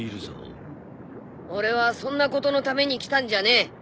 俺はそんなことのために来たんじゃねえ。